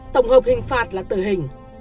tổng hợp hình phạt là tử hình